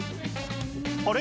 あれ？